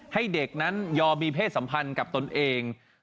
ให้เด็กนั้นยอมมีเพศสัมพันธ์กับตนเอง